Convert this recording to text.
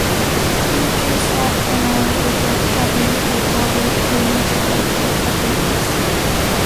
You can slop around without having to bother too much about your appearance.